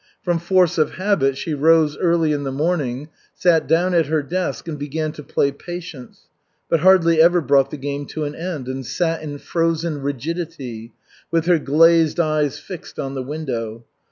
From force of habit she rose early in the morning, sat down at her desk, and began to play patience, but hardly ever brought the game to an end, and sat in frozen rigidity with her glazed eyes fixed on the window.